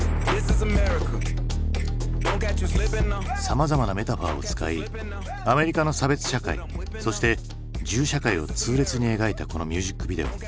さまざまなメタファーを使いアメリカの差別社会そして銃社会を痛烈に描いたこのミュージックビデオ。